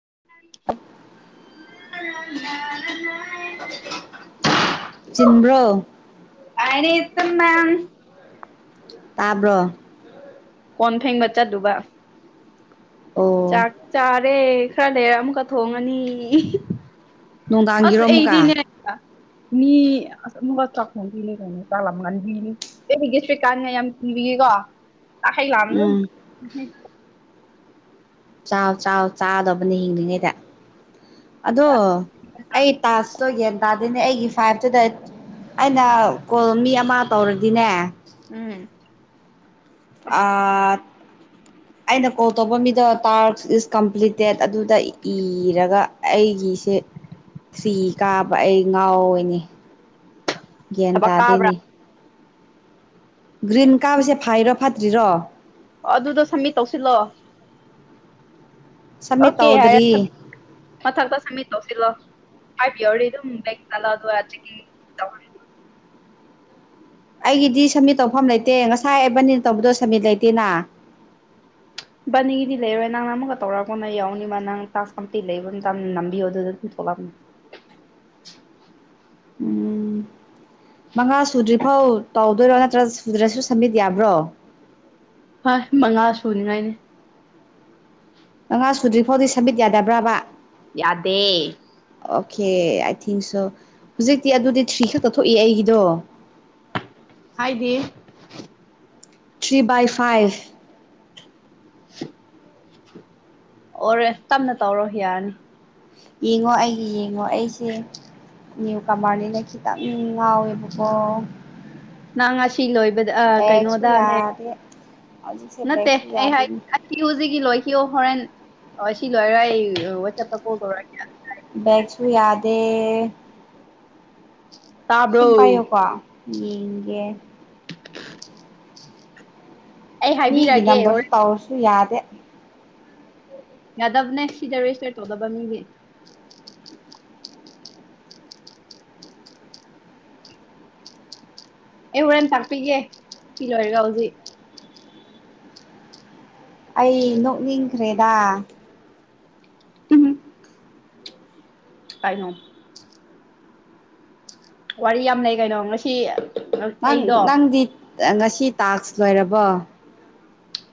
[unintelligible] ꯆꯤꯟꯕ꯭ꯔꯣ? [unintelligible] ꯇꯥꯕ꯭ꯔꯣ? ꯀꯣꯟ ꯐꯦꯡꯕ ꯆꯠꯂꯨꯕ ꯑꯣ ꯆꯥꯛ ꯆꯔꯦ꯫ ꯈꯔ ꯂꯩꯔ ꯑꯃꯨꯛꯀ ꯊꯣꯡꯉꯅꯤ꯫ ꯑꯁ ꯅꯨꯡꯗꯥꯡꯒꯤꯔꯣ ꯑꯩꯗꯤꯅꯦ ꯑꯃꯨꯛꯀ ꯃꯤ ꯑꯁ ꯑꯃꯨꯛꯒꯥ ꯆꯥꯛꯈꯣꯡꯕꯤꯅꯤ ꯀꯩꯅꯣ ꯆꯥꯂꯝꯒꯥꯟꯗꯤꯅꯤ ꯎꯝ [unintelligible] [unintelligible] ꯆꯥꯎ - ꯆꯥꯎ ꯆꯥꯗꯕꯅꯤ ꯍꯤꯡꯂꯤꯉꯩꯗ ꯑꯗꯣ ꯑꯩ ꯇꯥꯁ ꯑꯣ ꯒꯌ꯭ꯥꯟ ꯇꯥꯗꯦꯅꯦ ꯑꯩꯒꯤ ꯐꯥꯏꯚꯇꯨꯗ ꯑꯩꯅ ꯀꯣꯜ ꯃꯤ ꯑꯃ ꯇꯧꯔꯗꯤꯅꯦ ꯎꯝ ꯑ ꯑꯩꯅ ꯀꯣꯜ ꯇꯧꯕ ꯃꯤꯗꯣ ꯇꯥꯔꯛ ꯏꯁ ꯀꯝꯄ꯭ꯂꯤꯇꯦꯠ ꯑꯗꯨꯗ ꯏꯔꯒ ꯑꯩꯒꯤꯁꯦ ꯁꯤ ꯀꯥꯕ ꯑꯩ ꯉꯥꯎꯏꯅꯤ ꯒ꯭ꯌꯥꯟ ꯊꯕꯛ ꯀꯥꯕ꯭ꯔꯥ ꯇꯥꯗꯦꯅꯤ ꯒ꯭ꯔꯤꯟ ꯀꯥꯕꯁꯦ ꯐꯥꯏꯔꯣ ꯐꯠꯇ꯭ꯔꯤꯔꯣ? ꯑꯣ ꯑꯗꯨꯗꯣ ꯁꯝꯃꯤꯠ ꯇꯧꯁꯤꯜꯂꯣ꯫ ꯁꯝꯃꯤꯠ ꯑꯣꯀꯦ ꯍꯥꯏꯔꯥ ꯇꯧꯗ꯭ꯔꯤ ꯃꯊꯛꯇꯥ ꯁꯕꯃꯤꯠ ꯇꯧꯁꯤꯜꯂꯣ ꯫ [unintelligible] ꯗꯨꯝ ꯕꯦꯛ ꯆꯠꯂꯣ ꯑꯗꯨꯒꯥ [unintelligible] ꯑꯩꯒꯤꯗꯤ ꯁꯃꯤꯠ ꯇꯧꯐꯝ ꯂꯩꯇꯦ ꯉꯁꯥꯏ ꯑꯦꯕꯟꯅꯤꯅ ꯇꯧꯕꯗꯣ ꯁꯕꯃꯤꯠ ꯂꯩꯇꯦꯅ꯫ ꯕꯥꯅꯤꯒꯤꯗꯤ ꯂꯩꯔꯣꯏ ꯅꯪꯅ ꯑꯃꯨꯛꯒ ꯇꯧꯔꯛꯑꯒꯅ ꯌꯥꯎꯅꯤꯃ ꯅꯪ ꯇꯥꯛ ꯀꯝꯇꯤ ꯂꯩꯕ ꯃꯇꯝꯇ ꯅꯝꯕꯤꯌꯣ ꯑꯗꯨꯗ ꯑꯗꯨꯝ ꯊꯣꯛꯂꯑꯅꯦ ꯎꯝ ꯃꯉꯥ ꯁꯨꯗ꯭ꯔꯤꯐꯥꯎ ꯇꯧꯗꯣꯏꯔꯣ ꯅꯠꯇ꯭ꯔ ꯁꯨꯗ꯭ꯔꯁꯨ ꯁꯝꯃꯤꯠ ꯌꯥꯕ꯭ꯔꯣ? ꯍꯣꯏ ꯃꯉꯥ ꯁꯨꯅꯤꯉꯥꯏꯅꯤ꯫ ꯑꯉꯥ ꯁꯨꯗ꯭ꯔꯤ ꯐꯥꯎꯗꯤ ꯁꯝꯃꯤꯠ ꯌꯥꯗꯕ꯭ꯔꯕ? ꯌꯥꯗꯦ꯫ ꯑꯣꯀꯦ ꯑꯥꯏ ꯊꯤꯡ ꯁꯣ ꯍꯧꯖꯤꯛꯇꯤ ꯑꯗꯨꯗꯤ ꯊ꯭ꯔꯤ ꯈꯛꯇꯛ ꯊꯣꯛꯏ ꯑꯩꯒꯤꯗꯣ꯫ ꯍꯥꯏꯗꯤ ꯊ꯭ꯔꯤ ꯕꯥꯏ ꯐꯥꯏꯚ [unintelligible] ꯑꯣꯔꯦ ꯇꯞꯅ ꯇꯧꯔꯣ ꯌꯥꯔꯅꯤ꯫ ꯌꯦꯡꯉꯣ ꯑꯩꯒꯤ ꯌꯦꯡꯉꯣ ꯑꯩꯁꯦ ꯅ꯭ꯌꯨ ꯀꯃꯔꯅꯤꯅ ꯈꯤꯇꯪ ꯉꯥꯎꯋꯦꯕꯀꯣ ꯅꯪ ꯉꯁꯤ ꯂꯣꯏꯕꯗ ꯕꯦꯛꯁꯨ ꯀꯩꯅꯣꯗꯅꯦ ꯌꯥꯗꯦ ꯍꯧꯖꯤꯛꯁꯦ ꯅꯠꯇꯦ ꯕꯦꯛꯁꯨ ꯑꯩ ꯌꯥꯗꯦꯅꯦ ꯍꯥꯏꯨꯖꯤꯒꯤ ꯂꯣꯏꯈꯤꯌꯣ ꯍꯣꯔꯦꯟ ꯑꯣꯁꯤ ꯂꯣꯏꯔꯒ ꯑꯩ ꯋꯥꯠꯆꯞꯇ ꯀꯣꯜ ꯇꯦꯔꯛꯀꯦ [unintelligible] ꯗꯦ ꯇꯥꯕ꯭ꯔꯣ ꯁꯨꯝ ꯄꯥꯏ ꯌꯣ ꯀꯣ ꯌꯦꯡꯒꯦ ꯑꯩ ꯃꯤꯒꯤ ꯍꯥꯏꯕꯤꯔꯒꯦ ꯅꯝꯕꯔꯁꯨ ꯍꯣꯔꯦꯟ ꯇꯧꯔꯥꯁꯨ ꯌꯥ ꯇꯦꯠ ꯌꯥꯗꯕꯅꯦ ꯁꯤꯗꯥ ꯔꯦꯖꯤꯁꯇꯔ ꯇꯧꯗꯕ ꯃꯤꯗꯤ ꯑꯩ ꯍꯣꯔꯦꯟ ꯇꯥꯛꯄꯤꯒꯦ ꯁꯤ ꯂꯣꯏꯔꯒ ꯍꯧꯖꯤꯛ ꯑꯩ ꯅꯣꯛꯅꯤꯡꯈ꯭ꯔꯦꯗ ꯀꯥꯏꯅꯣ ꯋꯥꯔꯤ ꯌꯥꯝ ꯂꯩ ꯀꯩꯅꯣ ꯉꯁꯤ ꯅꯪ ꯑꯩꯗꯣ -ꯅꯪꯗꯤ ꯑ ꯉꯁꯤ ꯇꯥꯛꯁ ꯂꯣꯏꯔꯕꯣ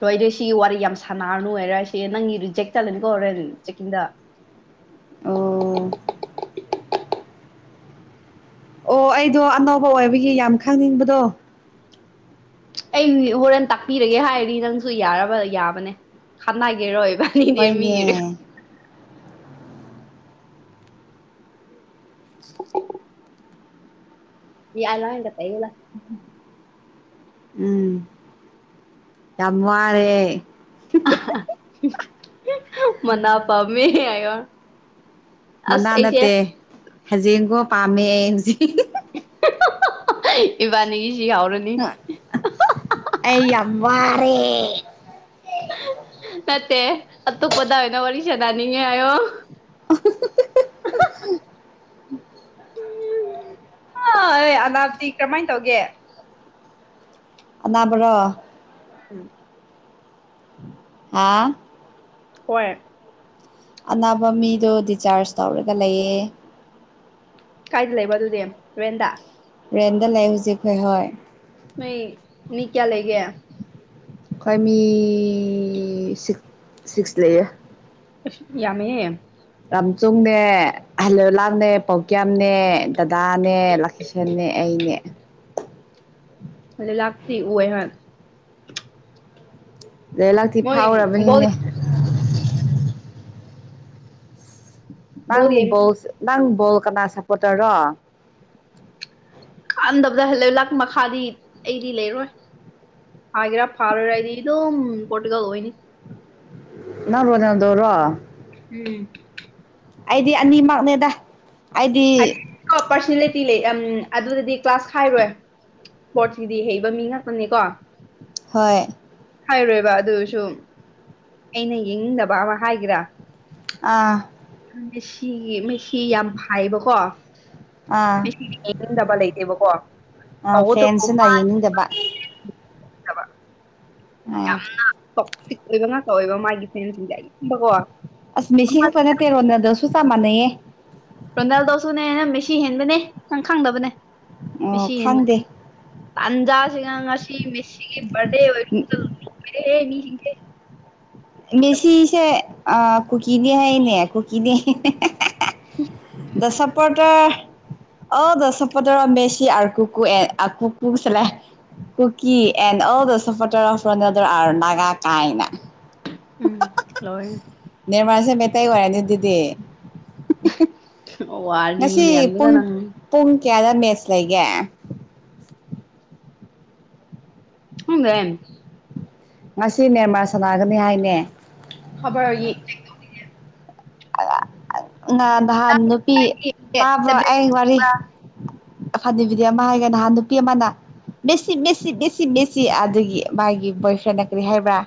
ꯂꯣꯏꯗꯦ ꯁꯤ ꯋꯥꯔꯤ ꯌꯥꯝ ꯁꯥꯟꯅꯔꯅꯨ ꯑꯣꯏꯔ ꯁꯦ ꯅꯪꯒꯤ ꯔꯤꯖꯦꯛ ꯆꯠꯂꯅꯤꯀꯣ ꯔꯦꯟ ꯆꯦꯛꯀꯤꯡꯗ ꯑꯣ ꯑꯣ ꯑꯩꯗꯣ ꯑꯅꯧꯕ ꯑꯣꯏꯕꯒꯤ ꯌꯥꯝ ꯈꯪꯅꯤꯡꯕꯗꯣ ꯑꯩ ꯍꯣꯔꯦꯟ ꯇꯥꯛꯄꯤꯔꯒꯦ ꯍꯥꯏꯔꯤꯅꯤ ꯅꯪꯖꯨ ꯌꯥꯔꯕ ꯌꯥꯕꯅꯦ [unintelligible] ꯇꯅꯤꯡꯗꯦ ꯍꯣꯏꯅꯦ ꯃꯤꯒꯤ [inaudible] [unintelligible] [inaudible] ꯎꯝ ꯍꯥꯝꯋꯥꯥꯔꯦ [unintelligible] ꯃꯅꯥ ꯄꯥꯝꯃꯦ ꯍꯦꯑꯌꯣ ꯃꯅꯥ ꯅꯠꯇꯦ ꯍꯦꯟꯖꯦꯡꯒꯣ ꯄꯥꯝꯃꯦ ꯍꯨꯖꯤꯛ ꯏꯕꯥꯅꯤ ꯁꯤ ꯌꯥꯥꯎꯔꯅꯤ ꯑꯝ ꯋꯥꯔꯦ ꯅꯠꯇꯦ ꯑꯇꯨꯞꯄꯗ ꯑꯣꯏꯅ ꯋꯥꯔꯤ ꯁꯥꯟꯅꯅꯤꯡꯉꯦ ꯍꯥꯏꯌꯣ ꯑ ꯍꯍꯍꯍꯍ [unintelligible] ꯑꯥꯏ ꯑꯅꯥꯞꯗꯤ ꯀꯔꯃꯥꯏꯟ ꯇꯧꯒꯦ ꯑꯅꯕꯔꯣ ꯎꯝ ꯑꯥ ꯑꯣꯏ ꯑꯅꯥꯕ ꯃꯤꯗꯣ ꯗꯤꯆꯥꯔꯁ ꯇꯧꯔꯒ ꯂꯩꯌꯦ ꯀꯥꯏꯗ ꯂꯩꯕ ꯑꯗꯨꯗꯤ ꯔꯦꯟꯗ ꯔꯦꯟꯗ ꯂꯩ ꯍꯨꯖꯤꯛ ꯈꯣꯏ ꯍꯣꯏ ꯅꯣꯏ ꯃꯤ ꯀꯌꯥ ꯂꯩꯒꯦ ꯀꯣꯏ ꯃꯤ ꯁꯤꯛ ꯁꯤꯛꯁ ꯂꯩꯌꯦ ꯑꯁ ꯌꯥꯝꯃꯦꯑꯦ ꯔꯥꯝꯆꯨꯡꯅꯦ ꯍꯜꯂꯣꯂꯥꯜꯅꯦ ꯄꯥꯎꯀꯤꯌꯥꯞ ꯎꯝꯅꯦ ꯗꯗꯥꯅꯦ ꯂꯀꯤꯁꯦꯟꯅꯦ ꯑꯩꯅꯦ ꯑ ꯂꯥꯛꯇ ꯑꯣ ꯑꯦꯍ ꯑꯗꯩ ꯂꯥꯛꯛꯇꯤ ꯃꯣꯏ ꯕꯣꯜ ꯐꯥꯎꯔꯕꯅꯤꯅꯦ ꯅꯪ ꯕꯣꯜ ꯌꯦꯡꯕ ꯣꯁ ꯅꯪ ꯣ ꯀꯅꯥ ꯁꯄꯣꯠꯇꯔꯣ ꯀꯥꯟꯟꯗꯕꯗ ꯍꯂ ꯂꯥꯛ ꯃꯈꯥꯗꯤ ꯑꯩꯗꯤ ꯂꯩꯔꯣꯏ ꯍꯥꯏꯒꯦꯔꯥ ꯐꯥꯔꯣꯏꯔ ꯑꯩꯗꯤ ꯑꯗꯨꯝ ꯄꯣꯔꯇꯨꯒꯜ ꯑꯣꯏꯅꯤ ꯅ ꯄꯗꯗꯣ ꯔꯨꯚ ꯎꯝ ꯑꯩꯗꯤ ꯑꯅꯤꯃꯛꯅꯦꯗ ꯍ ꯑꯩꯗꯤ ꯑꯣꯄꯔꯆꯅꯂꯤꯇꯤ ꯂꯩ ꯑꯗꯨꯗꯗꯤ ꯀ꯭ꯂꯥꯁ ꯈꯥꯏꯔꯣꯏ ꯏꯁꯄꯣꯔꯠꯀꯤꯗꯤ ꯍꯩꯕ ꯃꯤ ꯉꯥꯛꯇꯅꯤꯀꯣ ꯍꯣꯏ ꯍꯥꯏꯔꯣꯏꯕ ꯑꯗꯨꯁꯨ ꯑꯩꯅ ꯌꯦꯡꯅꯤꯡꯗꯕ ꯑꯃ ꯍꯥꯏꯒꯦꯔꯥ ꯑꯥ ꯃꯦꯁꯤ ꯃꯦꯁꯤ ꯌꯥꯝ ꯐ ꯍꯥꯏꯔꯤꯕ ꯀꯣ ꯑꯥ ꯃꯤꯁꯤꯗꯤ ꯏꯗꯕ ꯂꯩꯇꯦꯕꯀꯣ ꯑ ꯑꯥ ꯐꯦꯟꯁꯤꯅ ꯌꯦꯡꯅꯤꯡꯗꯕ ꯀ ꯑꯥ ꯌꯥꯝ ꯐꯤ ꯑꯣꯏꯕ ꯉꯥꯛ ꯑꯣꯏꯕ ꯃꯥꯒꯤ ꯖꯦꯕꯀꯣ ꯇꯃꯅꯦ ꯔꯣꯅꯥꯜꯗꯣꯁꯨꯅꯦ ꯅ ꯃꯦꯁꯤ ꯍꯦꯟꯕꯅꯦ ꯅꯪ ꯈꯪꯗꯕꯅꯦ ꯑꯣ ꯃꯦꯁꯤ ꯈꯪꯗꯦ ꯌꯦꯦꯟꯕꯅꯤ ꯇꯥꯟꯖꯥꯁꯤꯒ ꯉꯁꯤ ꯃꯦꯁꯤꯒꯤ ꯕꯔꯗꯦ ꯑꯣꯏ ꯂꯣꯏꯔꯦꯍꯦ ꯃꯤꯁꯤꯡ ꯃꯦꯁꯤꯁꯦ ꯑ ꯀꯀꯤꯅꯦ ꯍꯥꯏꯦꯅꯦ ꯀꯨꯀꯤꯅꯤ ꯗꯁꯄꯇꯔ ꯑꯣ ꯗꯁꯄꯇꯔꯐ ꯃꯦꯁꯤ ꯀꯨꯀꯨ ꯑꯦ ꯀꯨꯀꯨ ꯆꯦ ꯀꯨꯀꯤ ꯑꯦꯟ ꯑꯣ ꯗꯁꯄꯇꯔꯐ ꯔꯗꯔ ꯒꯥ ꯀꯥꯏꯅ ꯎꯝ ꯍꯂꯣꯏꯅꯤ ꯅꯤꯔꯃꯜꯁꯦ ꯃꯩꯇꯩ ꯑꯣꯏꯔꯅꯤ ꯑꯗꯨꯗꯤ c ꯑꯣ ꯋꯥꯅꯤ ꯃꯤ ꯑꯗꯨ ꯀꯅꯪꯅꯤ ꯀꯦꯌꯥꯗ ꯃꯦꯁ ꯂꯩꯒ ꯎꯒ ꯉꯁꯤ ꯅꯦꯝꯃ ꯁꯥꯟꯅꯒꯅꯤ ꯍꯥꯏꯅꯦ ꯍꯕꯔ ꯏ ꯑꯗ ꯑꯗꯨ ꯅ ꯅꯍꯥꯟ ꯅꯨꯄꯤ ꯇꯥꯕ꯭ꯔꯣ ꯑꯩ ꯋꯥꯔꯤ ꯐꯅꯕꯤꯗꯤ ꯑꯃ ꯍꯥꯏꯒ ꯅꯍꯥꯟ ꯅꯨꯄꯤ ꯑꯃꯅ ꯃꯦꯁꯤ ꯃꯦꯁꯤ ꯃꯦꯁꯤ ꯃꯦꯁꯤ ꯑꯗꯨꯒꯤ ꯃꯥꯒꯤ ꯕꯣꯏ ꯐ꯭ꯔꯦꯟꯅ ꯀꯔꯤ ꯍꯥꯏꯕ꯭ꯔꯥ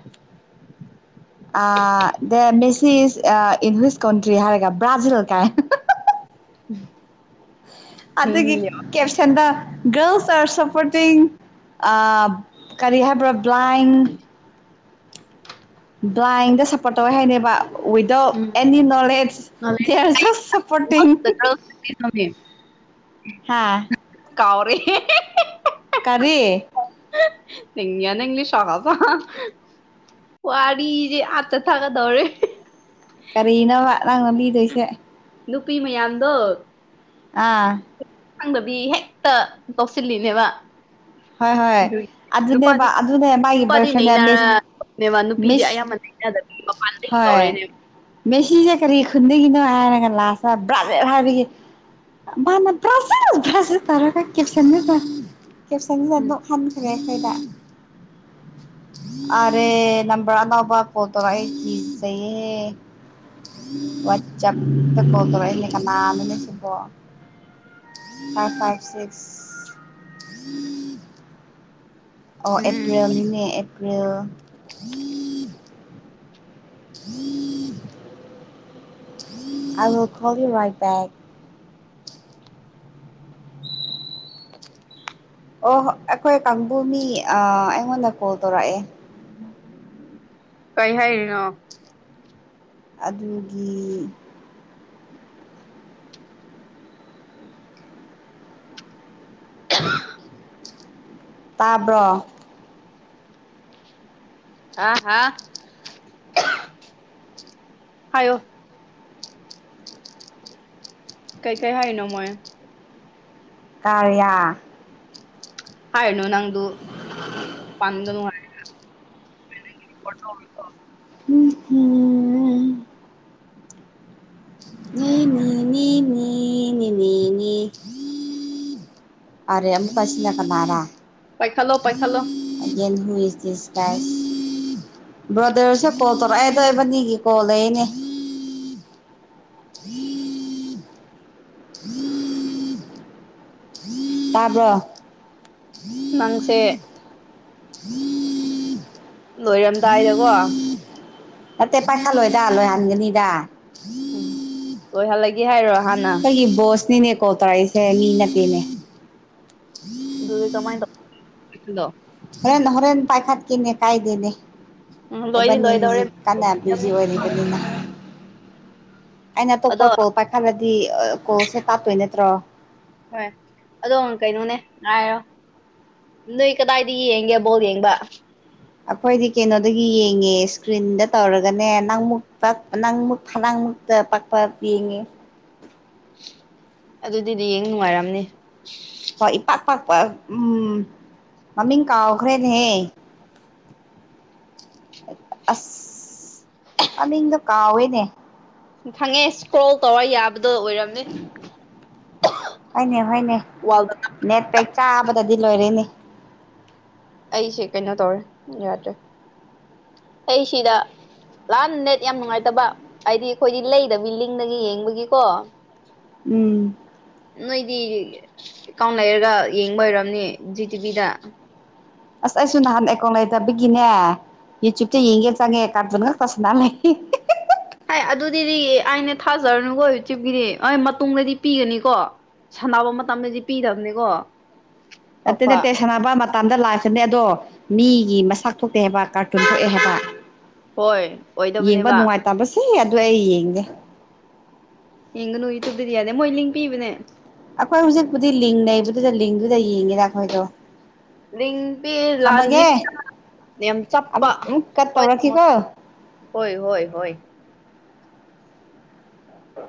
ꯗ ꯃꯦꯁꯤ ꯏꯁ ꯏ ꯀꯣꯟꯇ꯭ꯔꯤ ꯍꯥꯏꯔꯦꯒ ꯭ꯔꯥꯖꯤꯜ ꯀꯥꯏ ꯎꯝ ꯑꯗꯨꯗꯒꯤ ꯀꯦꯞꯁꯟꯗ ꯒꯔꯜꯁ ꯑꯥꯔ ꯁꯞꯄꯣꯔꯇꯤꯡ ꯀꯔꯤ ꯍꯥꯏꯕ꯭ꯔꯣ ꯕ꯭ꯂꯥꯏꯟ ꯗ꯭ꯔꯥꯏꯤꯡꯗ ꯁꯞꯄꯣꯔꯠ ꯇꯧꯋꯦ ꯍꯥꯏꯅꯦꯕ ꯋꯤꯗꯥꯎ ꯑꯦꯅꯤ ꯅꯣꯂꯦꯖ ꯗꯦꯔ ꯖꯁ ꯁꯄꯣꯇ ꯍꯥꯥ ꯀꯥꯎꯔꯤꯦ ꯀꯔꯤꯦ ꯅꯂꯤꯌꯥ ꯅꯂꯤ ꯁꯉꯥ ꯐꯉꯥ ꯋꯥꯔꯔꯤ ꯑꯆꯆꯥ ꯊꯀꯥꯗꯧꯔꯦ ꯀꯔꯤꯅꯣ ꯗꯩꯁꯦ ꯅꯨꯄꯤ ꯃꯌꯥꯝꯗꯣ ꯑꯥ ꯈꯪꯗꯕꯤ ꯍꯦꯛꯇ ꯇꯧꯁꯤꯜꯂꯤꯅꯦꯕ ꯍꯣꯏ ꯍꯣꯏ ꯑꯗꯨꯒꯤ ꯑꯗꯨꯅꯦꯕ ꯅꯨꯄꯥꯗꯤ ꯑꯗꯨꯅꯦ ꯃꯥꯒꯤ ꯕꯣꯏ ꯅꯨꯄꯥꯗꯤ ꯐ꯭ꯔꯦꯟꯗꯁ ꯅꯩꯅꯔꯅꯦꯕ ꯅꯨꯄꯤꯗꯤ ꯃꯤꯁ ꯑꯌꯥꯝꯕ ꯅꯩꯅꯗꯕꯤ ꯃꯄꯥꯟꯗꯒꯤ ꯍꯣꯏ ꯇꯧꯔꯦꯅꯦꯕ ꯃꯤꯦꯁꯤꯁꯦ ꯀꯔꯤ ꯈꯨꯟꯒꯤꯅꯣ ꯍꯥꯏꯔ ꯕ꯭ꯔꯥꯖꯦꯜ ꯍꯥꯏꯕꯒꯤ ꯃꯥꯅ ꯕ꯭ꯔꯥꯖ ꯕ꯭ꯔꯥꯖꯜ ꯇꯧꯔꯒ ꯀꯦꯞꯁꯟꯗ ꯀꯦꯞꯁꯥꯡꯒꯤ ꯎꯝ ꯆꯠꯗꯣ ꯍꯥꯟꯈꯦ ꯑꯔꯦ ꯅꯝꯕꯔ ꯑꯅꯕ ꯐꯥꯎ ꯇꯧꯔꯛꯏꯦꯌꯦ ꯋꯥꯠꯆꯞꯇ ꯐꯣ ꯇꯧꯔꯛꯏꯅꯦ ꯀꯅꯥ ꯅꯁꯤꯕꯣ ꯐꯥꯏꯚ ꯐꯥꯏꯚ ꯁꯤꯛꯁ ꯑꯣ ꯎꯝ ꯑꯦꯄ꯭ꯔꯤꯜ ꯃꯦ ꯀ ꯀ꯭ꯔꯌꯥ ꯍ ꯑ ꯈꯜꯒ ꯑꯣ ꯑꯩꯈꯣꯏ ꯀꯥꯡꯕꯨ ꯃꯤ ꯑꯩꯉꯣꯟꯗ ꯀꯣꯜ ꯇꯧꯔꯛꯑꯦ ꯀꯔꯤ ꯍꯥꯏꯔꯤꯅꯣ ꯑꯗꯨꯒꯤ [inaudible] ꯇꯥꯕ꯭ꯔꯣ ꯑꯥ ꯍꯥ ꯍꯥꯏꯣ ꯀꯩ ꯀꯥꯏ ꯍꯥꯏ ꯅꯣ ꯃꯣꯏꯣꯏ ꯀꯌꯥ ꯍꯥꯏꯥꯏꯅꯣ ꯅꯪ ꯄꯗꯅꯅꯨꯡ [inaudible] ꯎ ꯎꯝ ꯅꯅꯤꯅꯦ ꯃꯤꯅꯤꯅꯦꯅꯤꯅꯦ ꯑꯔꯦ ꯑꯃꯨꯛꯀꯁꯤꯂ ꯀꯅꯥꯔꯥ ꯄꯥꯏꯈꯂꯣ ꯄꯥꯏꯈꯂꯣ ꯕ꯭ꯔꯣꯗꯔꯁꯦ ꯀꯣꯜ ꯇꯧꯔꯛꯑꯦꯗꯣꯏꯕꯅꯤꯒꯤ ꯀꯣꯜ ꯂꯩꯅꯦ ꯇꯥꯕ꯭ꯔ ꯃꯥꯡꯁꯦ ꯎꯝ ꯂꯣꯏꯔꯝꯗꯥꯏꯗꯀꯣ ꯅꯠꯇꯦ ꯄꯥꯏꯈꯠꯂꯣꯏꯗ ꯂꯣꯏꯍꯟꯒꯅꯤꯗ ꯎꯝ ꯑꯣꯏ ꯍꯂ ꯑꯩ ꯣꯁꯅꯤꯅꯤ ꯀꯣ ꯎ ꯇꯔꯥꯏ ꯀꯦꯃꯤ ꯅꯠꯇꯦꯅꯦ ꯑꯗꯨꯏ ꯀꯃꯥꯏ ꯅ ꯍꯔꯦꯟ ꯍꯣꯔꯦꯟꯦꯟ ꯄꯥꯏꯈꯠ ꯀꯅꯦ ꯀꯥꯏꯗꯦꯅꯦ ꯎꯝ ꯂꯣꯏꯗꯤ ꯑꯦꯕꯅꯤ ꯂꯣꯏꯗꯧꯔꯦ ꯍꯧꯖꯤꯛ ꯀꯥꯟꯕꯤ ꯍꯧꯖꯤꯛ ꯑꯣꯏꯔꯤꯕꯅꯤꯅ ꯑꯩꯅ ꯑ ꯇꯞꯄ ꯑꯗꯣ ꯀꯣ ꯄꯥꯏꯈꯜꯂꯗꯤ ꯗꯤ ꯀꯣꯜꯁꯦ ꯇꯥꯠꯇꯣꯏ ꯅꯠꯇ꯭ꯔꯣ ꯍꯣꯏ ꯑꯗꯣ ꯀꯩꯅꯣꯅꯦ ꯉꯥꯏꯔꯣ ꯅꯣꯏ ꯀꯗꯥꯏꯗ ꯌꯦꯡꯒꯦ ꯕꯣꯜ ꯌꯦꯡꯕ ꯑꯩꯈꯣꯏꯗꯤ ꯀꯩꯅꯣꯗꯒꯤ ꯌꯦꯡꯉꯦ ꯏꯁꯀ꯭ꯔꯤꯟꯗ ꯇꯧꯔꯒꯅꯦ ꯅꯪꯃꯨꯛ ꯄ ꯅꯪꯃꯨꯛ ꯐꯅꯥꯡꯃꯨꯛꯇ ꯄꯛꯄ ꯌꯦꯡꯉꯦ ꯑꯗꯨꯗꯤꯗꯤ ꯌꯦꯡ ꯅꯨꯡꯉꯥꯏꯔꯝꯅꯤ ꯍꯣꯏ ꯏ ꯄ ꯄꯄ ꯎꯝ ꯃꯃꯤꯡ ꯀꯥꯎꯈ꯭ꯔꯦꯅꯦꯍꯦ ꯑꯁ ꯃꯃꯤꯡꯗꯣ ꯀꯥꯎꯋꯦꯅꯦ ꯈꯪꯉꯦ ꯏꯁꯀ꯭ꯔꯣꯜ ꯇꯧꯔ ꯌꯥꯕ꯭ꯔ ꯍꯅꯦ ꯍꯅꯦ ꯋꯥꯜꯗ ꯅꯦꯠꯦꯛ ꯆꯥꯕꯗꯗꯤ ꯂꯣꯏꯔꯦꯅꯦ ꯑꯩꯁꯦ ꯀꯩꯅꯣ ꯇꯧꯔꯦ ꯌꯥꯗ꯭ꯔꯦ ꯑꯩ ꯁꯤꯗ ꯂꯥꯟ ꯅꯦꯠ ꯌꯥꯝ ꯅꯨꯡꯉꯥꯏꯇꯕ ꯍꯥꯏꯗꯤ ꯑꯩꯈꯣꯏꯗꯤ ꯂꯩꯗꯕꯤ ꯂꯤꯡꯗꯒꯤ ꯌꯦꯡꯕꯒꯤꯀꯣ ꯎꯝ ꯅꯣꯏꯗꯤꯒꯦ ꯑꯦꯀꯥꯎꯟ ꯂꯩꯔꯒ ꯌꯦꯡꯕ ꯑꯣꯏꯔꯝꯅꯤ ꯖꯤ ꯇꯤꯚꯤꯗ ꯑꯁ ꯑꯩꯁꯨ ꯅꯍꯥꯟ ꯑꯩꯀꯣ ꯂꯩꯇꯕꯤꯒꯤꯅꯦ ꯌꯨꯇ꯭ꯨꯕꯇ ꯌꯦꯡꯒꯦ ꯆꯪꯉꯦ ꯀꯥꯔꯇꯨꯟ ꯈꯛꯇ ꯁꯅꯥ ꯂꯩ ꯍꯥꯏ ꯑꯗꯨꯗꯤꯗꯤ ꯑꯅꯦ ꯊꯥꯖꯔꯅꯨꯀꯣ ꯏꯆꯤꯞꯀꯤꯗꯤ ꯍꯣꯏ ꯃꯇꯨꯡꯗꯗꯤ ꯄꯤꯒꯅꯤꯀꯣ ꯁꯥꯟꯅꯕ ꯃꯇꯝꯗꯗꯤ ꯄꯤꯗꯕꯅꯤꯀꯣ ꯑꯇꯩ ꯄꯥꯛꯄ ꯅꯠꯇꯦꯁꯅꯥꯕ ꯇꯥꯟꯗ ꯂꯥꯛꯑꯒꯅꯦ ꯑꯗꯣ ꯃꯤꯒꯤ ꯃꯁꯥꯛ ꯊꯣꯛꯇꯦ ꯍꯥꯏꯕ ꯀꯥꯔꯇꯨꯟ ꯊꯣꯛꯑꯦ ꯍꯥꯏꯕ ꯍꯣꯏ ꯌꯦꯡꯕ ꯑꯣꯏꯗꯕꯅꯦꯕ ꯅꯨꯡꯉꯥꯏꯇꯕꯁꯦ ꯐꯒ ꯏꯪ ꯅꯨ ꯏꯇꯗꯗꯤ ꯌꯥꯗꯦ ꯃꯣꯏ ꯂꯤꯡ ꯄꯤꯕꯅꯦ ꯑꯩꯈꯣꯏ ꯍꯧꯖꯤꯛꯄꯨꯗꯤ ꯂꯤꯡ ꯅꯩꯕꯗꯨꯗ ꯂꯤꯡꯗꯨꯗ ꯌꯦꯡꯉꯦꯔ ꯑꯩꯈꯣꯏꯗꯣ ꯂ ꯊꯝꯃꯒꯦ ꯌꯥꯝ ꯆꯞꯄ ꯑꯃꯨꯛ ꯀꯠ ꯍꯣꯏ ꯇꯥꯃꯣ ꯇꯧꯔꯛꯈꯤꯀꯣ ꯍꯣꯏ ꯍꯣꯏ ꯍꯣꯏ ꯑ